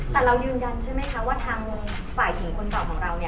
แต่เรายืนยันใช่ไหมคะว่าทางฝ่ายหญิงคนเก่าของเราเนี่ย